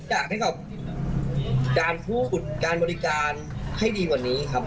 อยากให้กับการพูดการบริการให้ดีกว่านี้ครับ